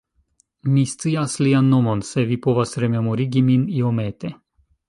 Mi scias lian nomon! Se vi povas rememorigi min iomete!